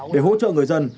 để hỗ trợ người dân